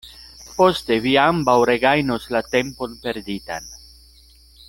Poste vi ambaŭ regajnos la tempon perditan.